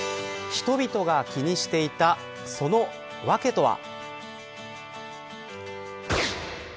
人々が気にしていたそのわけとは。